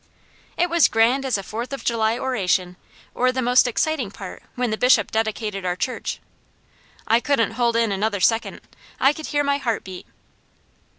It was grand as a Fourth of July oration or the most exciting part when the Bishop dedicated our church. I couldn't hold in another second, I could hear my heart beat.